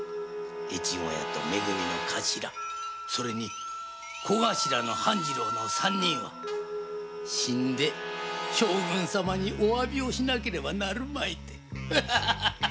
越後屋とめ組の頭それに小頭の半次郎の三人は死んで将軍様におわびしなきゃなるまいてハハハ。